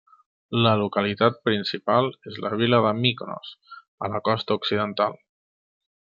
La localitat principal és la vila de Míkonos, a la costa occidental.